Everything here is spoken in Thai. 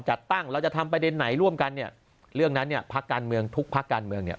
จัดตั้งเราจะทำประเด็นไหนร่วมกันเนี่ยเรื่องนั้นเนี่ยพักการเมืองทุกภาคการเมืองเนี่ย